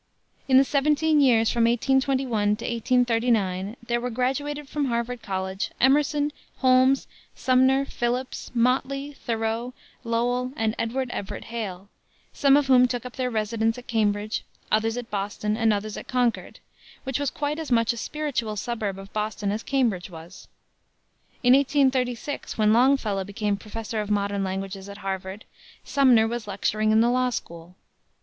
In the seventeen years from 1821 to 1839 there were graduated from Harvard College Emerson, Holmes, Sumner, Phillips, Motley, Thoreau, Lowell, and Edward Everett Hale, some of whom took up their residence at Cambridge, others at Boston and others at Concord, which was quite as much a spiritual suburb of Boston as Cambridge was. In 1836, when Longfellow became Professor of Modern Languages at Harvard, Sumner was lecturing in the Law School.